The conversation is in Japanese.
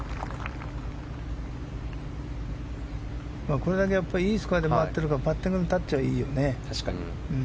これだけいいスコアで回ってればパッティングのタッチはいいよね。